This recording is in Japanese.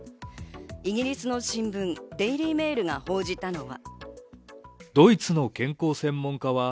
イギリスの新聞・デイリーメールが報じたのは。